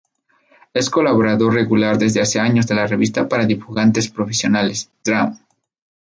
Es colaborador regular desde hace años de la revista para dibujantes profesionales "Draw!".